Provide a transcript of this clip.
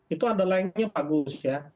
itu ada layangnya bagus ya